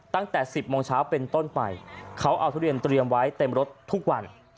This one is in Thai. ตั้งแต่๑๐โมงเช้าเป็นต้นไปเขาเอาทุเรียนเตรียมไว้เต็มรถทุกวัน